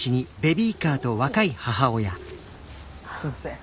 すいません。